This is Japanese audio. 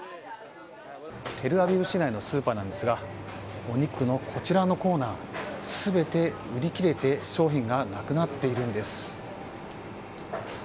テルアビブ市内のスーパーなのですがお肉のこちらのコーナーは全て売り切れて商品がなくなっているんです。